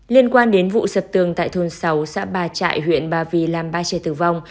liên quan đến vụ sập tường tại thôn sáu xã ba trại huyện ba vì làm ba trẻ tử vong